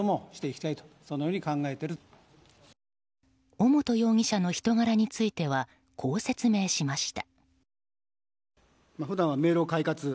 尾本容疑者の人柄についてはこう説明しました。